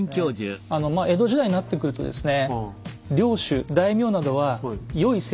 江戸時代になってくるとですね